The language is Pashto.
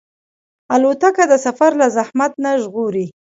الوتکه د سفر له زحمت نه ژغوري.